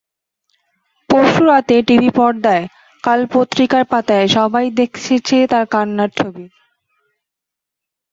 পরশু রাতে টিভি পর্দায়, কাল পত্রিকার পাতায় সবাই দেখেছে তাঁর কান্নার ছবি।